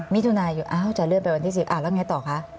มิถุนาอยู่โอ้แล้วไงต่อคะ